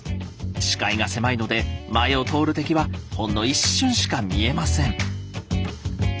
視界が狭いので前を通る敵はほんの一瞬しか見えません。